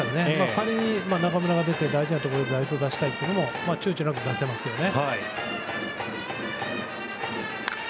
仮に中村が出て大事なところで代走出したい時も躊躇なく出せますよね。